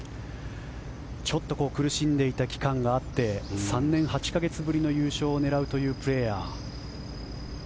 ちょっと苦しんでいた期間があって３年８か月ぶりの優勝を狙うというプレーヤー。